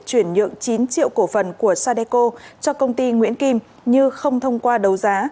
chuyển nhượng chín triệu cổ phần của sadeco cho công ty nguyễn kim như không thông qua đấu giá